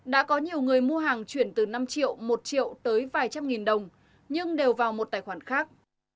đã có nhiều người mua hàng chuyển từ năm triệu một triệu tới vài trăm nghìn đồng nhưng đều vào một tài khoản khác